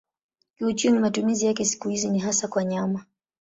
Kiuchumi matumizi yake siku hizi ni hasa kwa nyama.